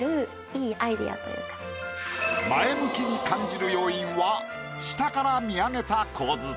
前向きに感じる要因は下から見上げた構図。